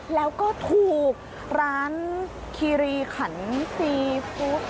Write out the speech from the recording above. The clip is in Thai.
แล้วก็ถูกร้านคีรีขันซีฟู้ด